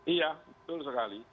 iya betul sekali